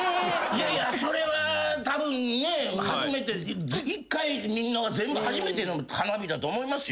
いやいやそれはたぶんね１回見るのは全部初めての花火だと思いますよ。